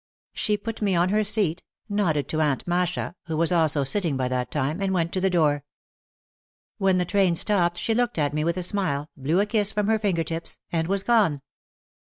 She put me on her seat, nodded to Aunt Masha, who was also sitting by that time, and went to the door. When the train stopped she looked at me with a smile, blew a kiss from her finger tips, and was gone.